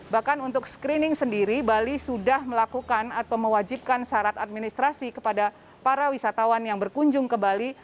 bahkan untuk screening sendiri bali sudah melakukan atau mewajibkan syarat administrasi kepada para wisatawan yang berkunjung ke bali